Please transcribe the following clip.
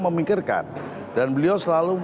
memikirkan dan beliau selalu